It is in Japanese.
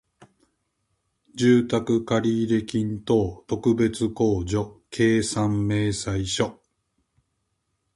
健康とは、心と体のバランスがとれ、無理なく毎日を楽しめる状態です。食事、睡眠、運動、ストレス管理を大切にし、小さな不調も見逃さず、自分をいたわる習慣が未来の元気をつくります。笑顔も栄養です。毎日少しずつ。